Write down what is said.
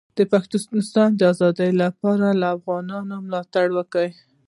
د پښتونستان د ازادۍ لپاره یې له افغانانو ملاتړ کاوه.